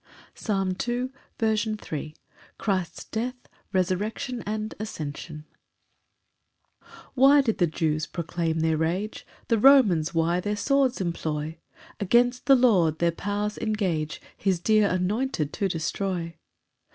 Psalm 2:3. L. M. Christ's death, resurrection, and ascension. 1 Why did the Jews proclaim their rage? The Romans why their swords employ? Against the Lord their powers engage His dear anointed to destroy?